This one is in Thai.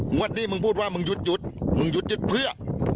งวดนี้มึงพูดว่ามึงหยุดมึงหยุดยึดเพื่อ